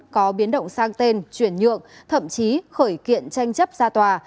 có biến động sang tên chuyển nhượng thậm chí khởi kiện tranh chấp ra tòa